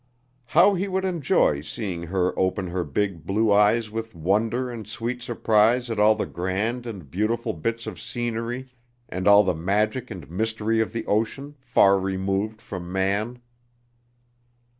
How he would enjoy seeing her open her big, blue eyes with wonder and sweet surprise at all the grand and beautiful bits of scenery and all the magic and mystery of the ocean, far removed from man!